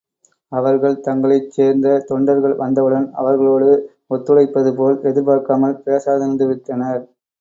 அவர்கள் தங்களைச் சேர்ந்த தொண்டர்கள் வந்தவுடன் அவர்களோடு ஒத்துழைப்பதுபோல், எதிர்க்காமல் பேசாதிருந்துவிட்டனர்.